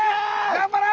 頑張れ！